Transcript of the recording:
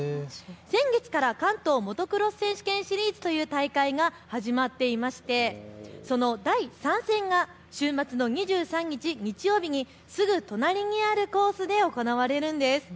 先月から関東モトクロス選手権シリーズという大会が始まっていまして、その第３戦が週末の２３日、日曜日にすぐ隣にあるコースで行われるんです。